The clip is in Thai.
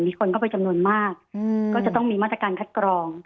คนเข้าไปจำนวนมากก็จะต้องมีมาตรการคัดกรอง